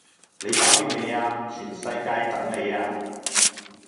你搞惦未呀？全世界等你呀